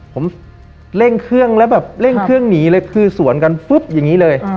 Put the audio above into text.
ผมเร่งเครื่องแล้วแบบเร่งเครื่องหนีเลยคือสวนกันปุ๊บอย่างนี้เลย